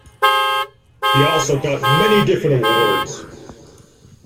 He also got many different awards.